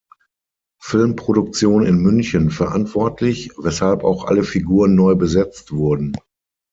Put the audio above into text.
Filmproduktion in München verantwortlich, weshalb auch alle Figuren neu besetzt wurden.